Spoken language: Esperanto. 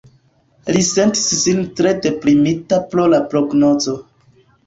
Li sentis sin tre deprimita pro la prognozo.